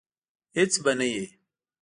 هیڅ به نه وي